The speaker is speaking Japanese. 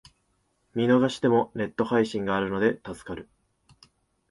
見逃してもネット配信があるので助かる